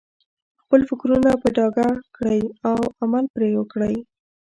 خپل فکرونه په ډاګه کړئ او عمل پرې وکړئ.